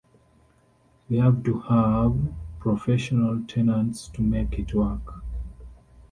We have to have professional tenants to make it work.